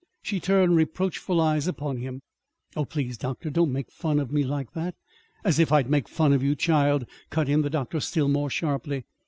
She turned reproachful eyes upon him. "Oh, please, doctor, don't make fun of me like " "As if I'd make fun of you, child!" cut in the doctor, still more sharply.